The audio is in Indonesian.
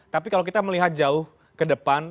tapi kalau kita melihat jauh ke depan